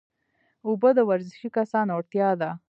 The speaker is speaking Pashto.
اوبه د ورزشي کسانو اړتیا ده